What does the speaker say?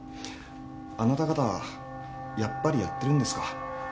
あなた方やっぱりやってるんですか？